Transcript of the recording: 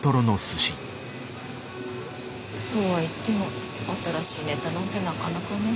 そうはいっても新しいネタなんてなかなかねぇ。